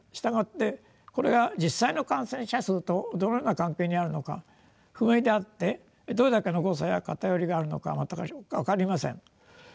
従ってこれが実際の感染者数とどのような関係にあるのか不明であってどれだけの誤差や偏りがあるのか全く分かりません。